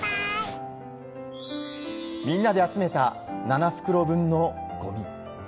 みんなで集めた７袋分のゴミ。